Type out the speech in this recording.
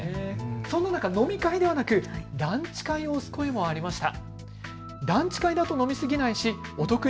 そんな中、飲み会ではなくランチ会を推す声もありました。